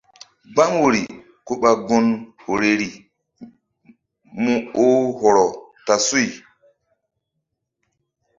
Gbam woyri ku ɓa gun horeri mu oh hɔrɔ ta suy.